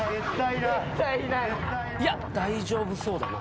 いや大丈夫そうだな。